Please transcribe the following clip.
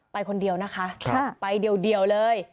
ไปคนเดียวนะคะไปเดียวเลย